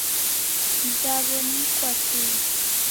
Mzaw'o ni mkwachunyi.